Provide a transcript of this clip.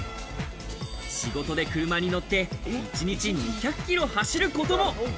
仕事で車に乗って１日２００キロ走ることも。